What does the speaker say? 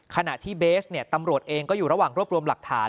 ขณะที่เบสตำรวจเองก็อยู่ระหว่างรวบรวมหลักฐาน